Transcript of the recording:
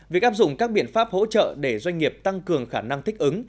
việc áp dụng các biện pháp hỗ trợ để doanh nghiệp tăng cường khả năng thích ứng